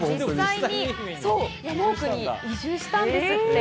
アツキさん、実際に山奥に移住したんですって。